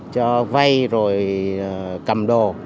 cho vay rồi cầm đồ